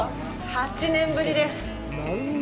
８年ぶりです。